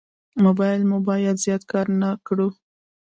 موبایل مو باید زیات کار نه کړو.